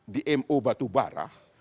tadi memperketat dmo batu barah